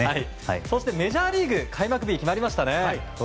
そして、メジャーリーグの開幕日が決まりましたね。